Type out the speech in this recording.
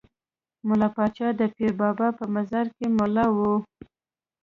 ملا پاچا د پیر بابا په مزار کې ملا وو.